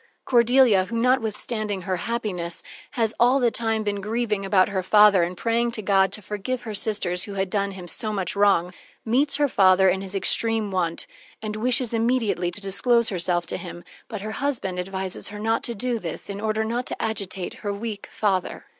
Cordelia who, notwithstanding her happiness, has all the time been grieving about her father and praying to God to forgive her sisters who had done him so much wrong meets her father in his extreme want, and wishes immediately to disclose herself to him, but her husband advises her not to do this, in order not to agitate her weak father.